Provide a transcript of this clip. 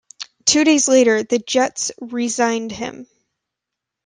Two days later, the Jets re-signed him.